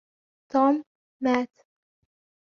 توم مات.